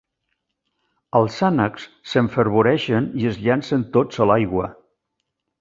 Els ànecs s'enfervoreixen i es llancen tots a l'aigua.